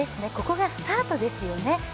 ここがスタートですよね